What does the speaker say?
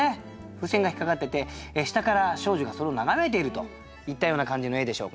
風船が引っかかってて下から少女がそれを眺めているといったような感じの絵でしょうかね。